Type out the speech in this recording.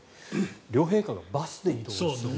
両陛下がバスで移動っていう。